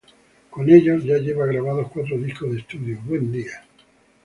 Con ellos ya lleva grabados cuatro discos de estudio: "Buen día!